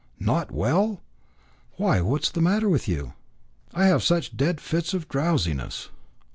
"Not well! Why what is the matter with you?" "I have such dead fits of drowsiness."